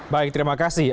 baik terima kasih